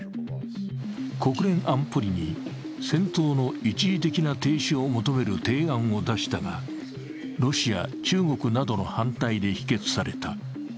国連安保理に戦闘の一時的な停止を求める提案を出したが、ロシア・中国などの反対で否決された。